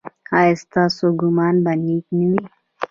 ایا ستاسو ګمان به نیک نه وي؟